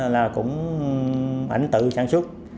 là cũng ảnh tự sản xuất